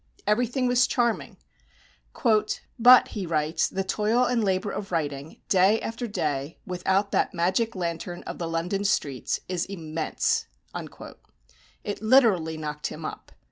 Everything was charming; "but," he writes, "the toil and labour of writing, day after day, without that magic lantern (of the London streets) is IMMENSE!" It literally knocked him up.